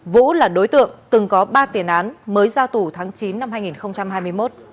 vũ là đối tượng từng có ba tiền án mới ra tù tháng chín năm hai nghìn hai mươi một